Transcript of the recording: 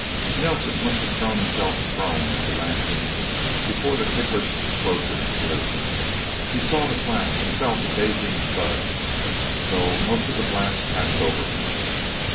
Nelsen must have thrown himself prone at the last instant, before the ticklish explosive blew. He saw the flash and felt the dazing thud, though most of the blast passed over him.